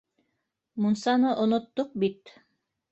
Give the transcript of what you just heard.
— Мунсаны оноттоҡ бит